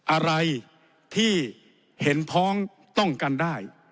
อะไรที่เห็นพ้องต้องกันได้